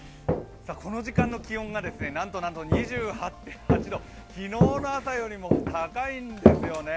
この時間の気温がなんとなんと２８．８度、昨日の朝よりも高いんですよね。